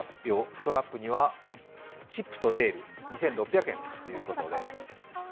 ストラップにはチップとデール、２６００円ということです。